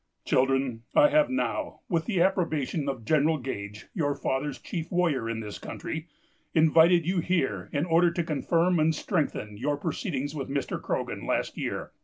"Children, I have now, with the approbation of General Gage (your father's chief warrior in this country), invited you here in order to confirm and strengthen your proceedings with Mr. Croghan last year.